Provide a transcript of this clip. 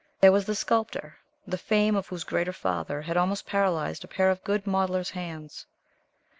There was the Sculptor, the fame of whose greater father had almost paralyzed a pair of good modeller's hands.